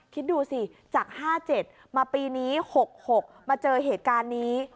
คิดดูสิจาก๕๗มาปีนี้๖๖มาเจอเหตุการณ์นี้